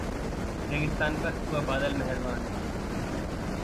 रेगिस्तान पर हुआ बादल मेहरबान